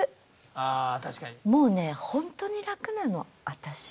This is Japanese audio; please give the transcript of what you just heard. もうねほんとに楽なの私。